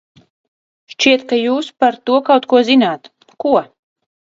Šķiet, ka jūs par to kaut ko zināt, ko?